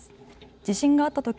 地震があったとき